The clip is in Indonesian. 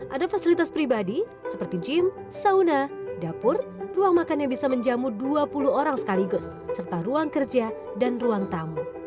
ada fasilitas pribadi seperti gym sauna dapur ruang makan yang bisa menjamu dua puluh orang sekaligus serta ruang kerja dan ruang tamu